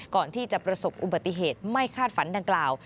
ก่อนที่จะประสบอุบัติเหตุไม่คาดฝันดังกล่าว